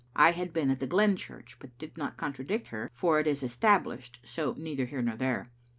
I had been at the Glen church, but did not contradict her, for it is Established, and so neither here nor there.